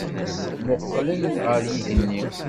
Mmuqqlent ɣer yigenni.